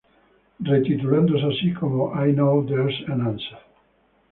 Re-titulándose así como "I Know There's an Answer".